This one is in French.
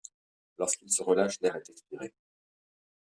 Lorsqu'il se relâche, l'air est expiré.